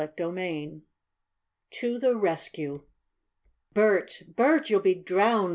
CHAPTER II TO THE RESCUE "Bert! Bert! You'll be drowned!"